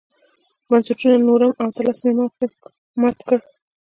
بنسټونو نورم او طلسم یې مات کړ.